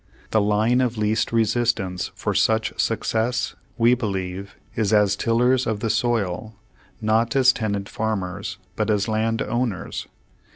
The line of least resistance for such success, we believe, is as tillers of the soil, not as tenant farmers, but as land owners.